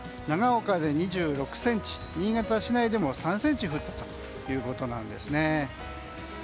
長岡で２６ｃｍ新潟市内でも３ｃｍ降ったということなんですね。